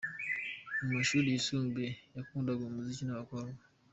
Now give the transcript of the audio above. Mu mashuri yisumbuye yakundaga umuziki n’abakobwa.